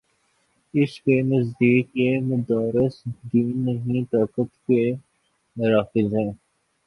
اس کے نزدیک یہ مدارس دین نہیں، طاقت کے مراکز ہیں۔